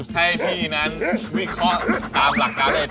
ให้พี่นั้นวิเคราะห์ตามหลักการเลย